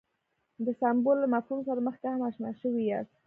د سمبول له مفهوم سره مخکې هم اشنا شوي یاست.